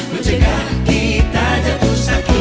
menjaga kita jatuh sakit